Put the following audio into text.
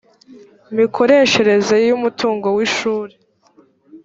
mikoreshereze y umutungo w ishuri